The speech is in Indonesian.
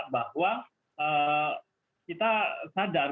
bahwa kita sadar